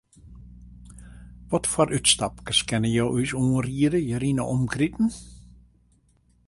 Watfoar útstapkes kinne jo ús oanriede hjir yn 'e omkriten?